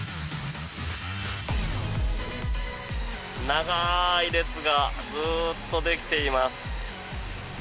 長い列がずっとできています。